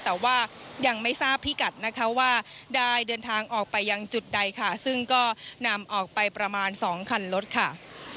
แต่ว่ายังไม่ทราบพิกัดนะคะว่าได้เดินทางออกไปยังจุดใดค่ะซึ่งก็นำออกไปประมาณสองคันรถค่ะ